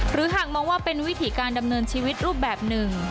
หากมองว่าเป็นวิถีการดำเนินชีวิตรูปแบบหนึ่ง